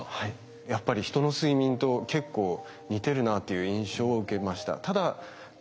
やっぱり人の睡眠と結構似てるなという印象を受けました。